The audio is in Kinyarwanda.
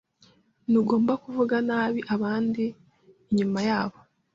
Ntugomba kuvuga nabi abandi inyuma yabo.